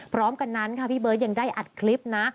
พร้อมกันนั้นค่ะพี่เบิร์ตยังได้อัดคลิปนะ